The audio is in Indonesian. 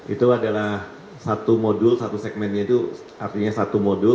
itu adalah satu modul satu segmennya itu artinya satu modul